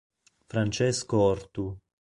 Francesco Ortu